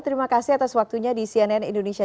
terima kasih atas waktunya di cnn indonesia